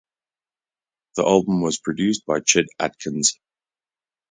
The album was produced by Chet Atkins.